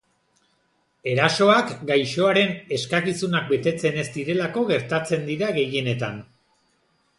Erasoak gaixoaren eskakizunak betetzen ez direlako gertatzen dira gehienetan.